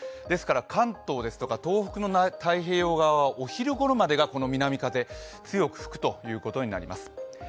関東ですとか東北の太平洋側は、お昼ごろまでこの南風、強く吹くことになると思います。